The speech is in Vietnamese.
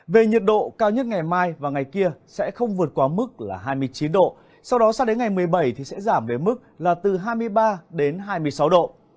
về nhiệt độ cao nhất ngày mai và ngày kia sẽ không vượt qua mức là hai mươi chín độ sau đó sang đến ngày một mươi bảy thì sẽ giảm về mức là từ hai mươi ba đến hai mươi sáu độ